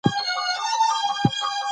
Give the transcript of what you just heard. د واک تمرکز د شخړو سبب کېږي